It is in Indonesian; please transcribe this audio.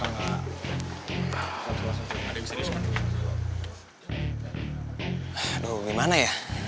aduh gimana ya